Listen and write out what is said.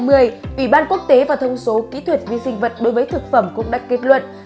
ủy ban quốc tế và thông số kỹ thuật vi sinh vật đối với thực phẩm cũng đã kết luận